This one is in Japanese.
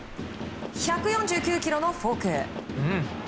１４９キロのフォーク。